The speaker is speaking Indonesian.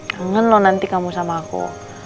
kangen loh nanti kamu sama aku